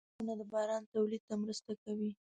• ونه د باران تولید ته مرسته کوي.